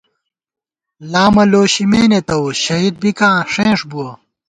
لامہ لوشِمېنے تَوُس ، شہید بِکاں ݭېنݭ بُوَہ